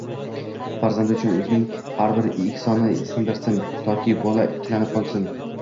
Farzandi uchun o‘zining har bir egosini sindirsin, toki bola ikkilanib qolsin.